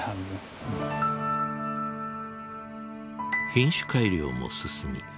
品種改良も進み